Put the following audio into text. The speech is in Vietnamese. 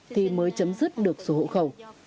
thì mới chấm dứt được số hộ khẩu